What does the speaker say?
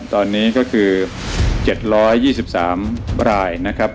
ตอนนี้ก็คือ๗๒๓รายนะครับ